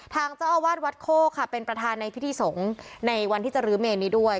ทางเจ้าอาวาสวัดโคกค่ะเป็นประธานในพิธีสงฆ์ในวันที่จะรื้อเมนนี้ด้วย